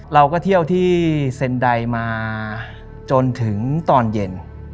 เราก็เที่ยวที่เซ็นไดมาจนถึงตอนเย็น